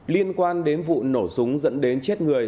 liên quan đến vụ nổ súng dẫn đến chết người